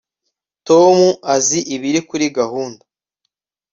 Tom azi ibiri kuri gahunda